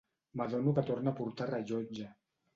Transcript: M'adono que torna a portar rellotge.